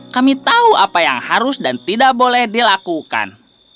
kami tahu apa yang harus dan tidak boleh dilakukan